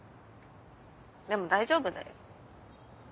でも大丈夫だよ。